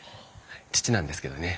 父なんですけどね。